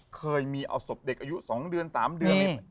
เคยมีเอาศพเด็กอายุ๒เดือน๓เดือน